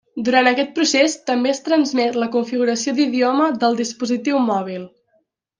Durant aquest procés també es transmet la configuració d'idioma del dispositiu mòbil.